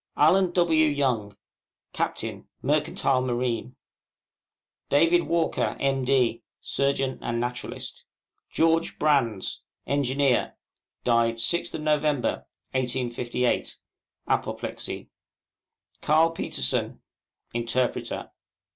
ALLEN W. YOUNG, Captain, Mercantile Marine. DAVID WALKER, M.D., Surgeon and Naturalist. GEORGE BRANDS, Engineer, died 6th Nov. 1858, (Apoplexy). CARL PETERSEN, Interpreter.